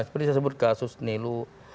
seperti saya sebut kasus nilu